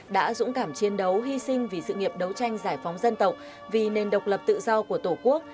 đã dũng cảm chiến đấu hy sinh vì sự nghiệp đấu tranh giải phóng dân tộc vì nền độc lập tự do của tổ quốc